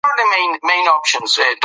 په ناروې کې دا موضوع وڅېړل شوه.